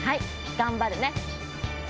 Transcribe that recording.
頑張るね。